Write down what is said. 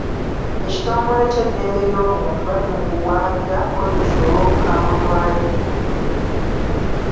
Ekitongole ky'eddembe ly'obuntu bali mu mukuwabira poliisi olw'obukambwe bwayo.